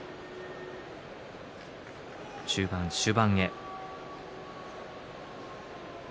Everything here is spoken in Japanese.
中盤、終盤へ。